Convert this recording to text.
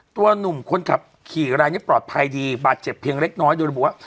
หนุ่มคนขับขี่รายนี้ปลอดภัยดีบาดเจ็บเพียงเล็กน้อยโดยระบุว่า